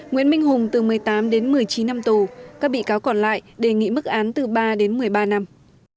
nguyễn minh hùng từ một mươi tám đến một mươi chín năm tù các bị cáo còn lại đề nghị mức án từ ba đến một mươi ba năm